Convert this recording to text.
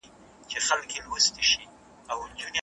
مشران به همېشه د افغان ملت د يووالي او پيوستون لپاره دعاګانې کوي.